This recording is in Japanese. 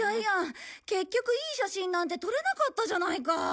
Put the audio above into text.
結局いい写真なんて撮れなかったじゃないか！